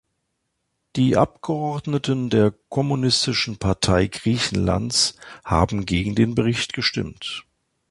Die Abgeordneten der Kommunistischen Partei Griechenlands haben gegen den Bericht gestimmt.